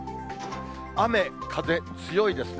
雨風強いですね。